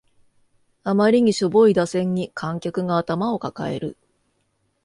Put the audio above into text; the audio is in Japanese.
あまりにしょぼい打線に観客が頭を抱える